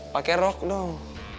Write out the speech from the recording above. pakai rok dong